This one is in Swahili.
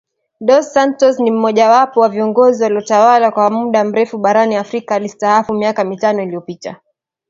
Dos Santos ni mojawapo wa viongozi waliotawala kwa mda mrefu barani Afrika alistaafu miaka mitano iliyopita